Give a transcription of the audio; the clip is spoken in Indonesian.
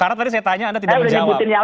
karena tadi saya tanya anda tidak menjawab